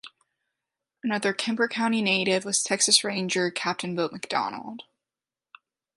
Another Kemper County native was Texas Ranger Captain Bill McDonald.